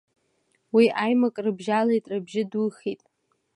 Ус аимак рыбжьалеит, рыбжьы духеит.